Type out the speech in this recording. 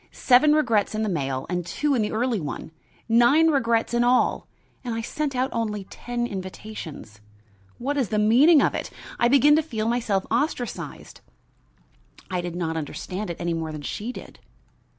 Seven regrets in this mail and two in the early one. Nine regrets in all! and I sent out only ten invitations. What is the meaning of it? I begin to feel myself ostracized." I did not understand it any more than she did.